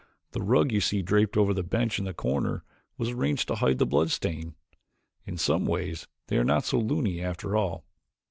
The rug you see draped over the bench in the corner was arranged to hide the blood stain in some ways they are not so loony after all."